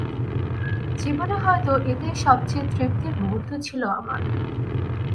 জীবনে হয়তো এটাই সবচেয়ে তৃপ্তির মুহূর্ত ছিল আমার।